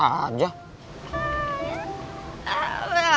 kayak otak lo cerdas aja